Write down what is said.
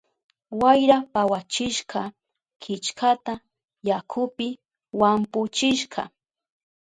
Wayra pawachishka killkata, yakupi wampuchishka.